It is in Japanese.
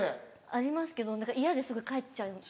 ありますけど何か嫌ですぐ帰っちゃいます。